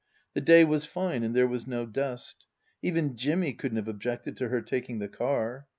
(The day was fine and there was no dust. Even Jimmy couldn't have objected to her taking the car.)